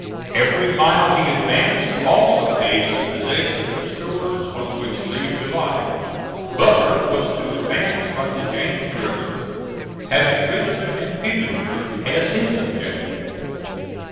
Every mile he advanced also gave us possession of stores on which Lee relied. Butler was to advance by the James River, having Richmond and Petersburg as his objective.